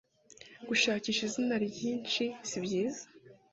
gushakisha izina ryinshi sibyiza